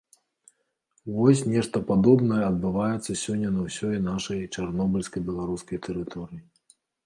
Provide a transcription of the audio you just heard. Вось нешта падобнае адбываецца сёння на ўсёй нашай чарнобыльска-беларускай тэрыторыі.